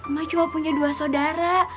mak cuma punya dua saudara